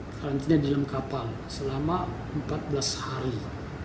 karantina di dalam kapal selama empat belas hari